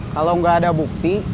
kalau gak ada bukti